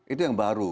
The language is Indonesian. itu yang baru